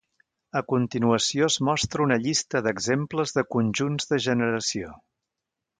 A continuació es mostra una llista d'exemples de conjunts de generació.